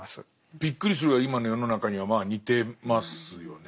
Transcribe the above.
びっくりするぐらい今の世の中にはまあ似てますよね。